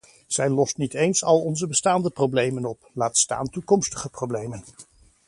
Zij lost niet eens al onze bestaande problemen op, laat staan toekomstige problemen.